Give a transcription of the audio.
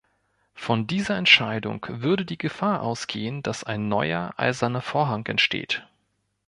Von dieser Entscheidung würde die Gefahr ausgehen, dass ein neuer "eiserner Vorhang" entsteht.